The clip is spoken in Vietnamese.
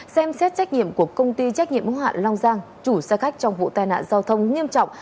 xem xét trách nhiệm của công ty trách nhiệm hữu hạn long giang chủ xe khách trong vụ tai nạn giao thông nghiêm trọng